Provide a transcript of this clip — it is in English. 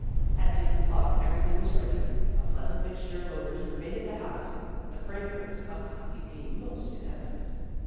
At six o'clock everything was ready. A pleasant mixture of odors pervaded the house, the fragrance of coffee being most in evidence.